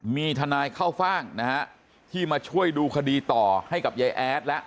มีทนายเข้าฟ่างนะฮะที่มาช่วยดูคดีต่อให้กับยายแอดแล้ว